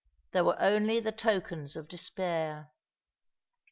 There were only the tokens of despair.